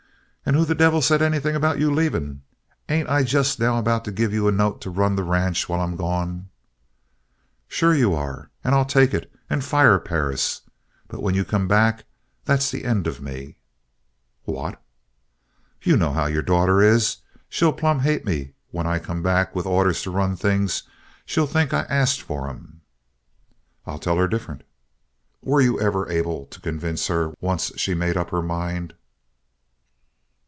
"And who the devil said anything about you leaving? Ain't I just now about to give you a note to run the ranch while I'm gone?" "Sure you are. And I'll take it and fire Perris. But when you come back that's the end of me!" "What?" "You know how your daughter is. She'll plumb hate me when I come back with orders to run things. She'll think I asked for 'em." "I'll tell her different." "Were you ever able to convince her, once she made up her mind?"